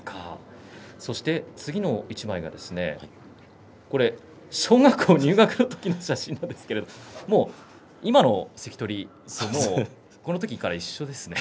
次の一枚が小学校入学のときの写真なんですけれど、もう今の関取このときから一緒ですね。